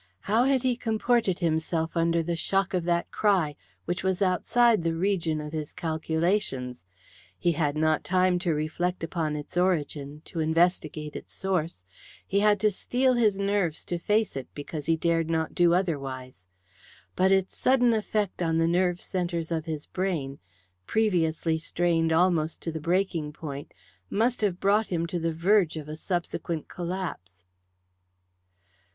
How had he comported himself under the shock of that cry, which was outside the region of his calculations? He had not time to reflect upon its origin, to investigate its source. He had to steel his nerves to face it because he dared not do otherwise. But its sudden effect on the nerve centres of his brain, previously strained almost to the breaking point, must have brought him to the verge of a subsequent collapse.